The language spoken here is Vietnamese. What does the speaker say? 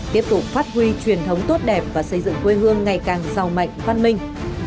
tiếp tục phát huy truyền thống tốt đẹp và xây dựng quê hương ngày càng giàu mạnh văn minh